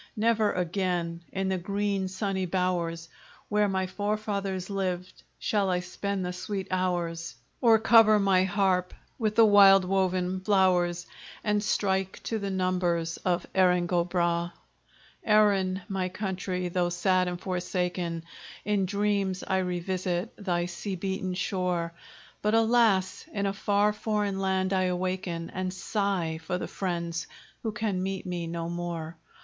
Never again, in the green sunny bowers Where my forefathers lived, shall I spend the sweet hours, Or cover my harp with the wild woven flowers, And strike to the numbers of Erin go bragh! Erin, my country! though sad and forsaken, In dreams I revisit thy sea beaten shore; But, alas! in a far foreign land I awaken, And sigh for the friends who can meet me no more!